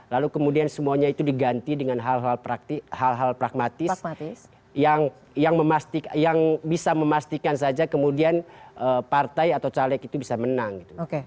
lalu kemudian semuanya itu diganti dengan hal hal pragmatis yang bisa memastikan saja kemudian partai atau caleg itu bisa menang gitu